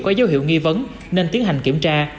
có dấu hiệu nghi vấn nên tiến hành kiểm tra